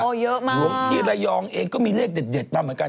เยอะมากหลวงที่ระยองเองก็มีเลขเด็ดมาเหมือนกัน